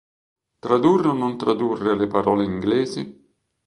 Tradurre o non tradurre le parole inglesi?